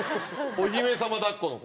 お姫様抱っこの子。